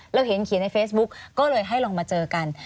แล้วเห็นเขียนในเฟสบุ๊คก็เลยให้มาเจอกัน